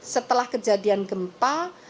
setelah kejadian gempa